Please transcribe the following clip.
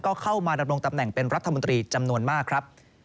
ก็เข้ามาดำรงตำแหน่งเป็นรัฐมนตรีจำนวนมากครับ